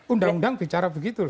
undang undang bicara begitu